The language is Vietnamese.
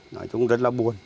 nói chung rất là buồn